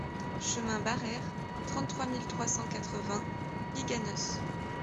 Chemin Barreyres, trente-trois mille trois cent quatre-vingts Biganos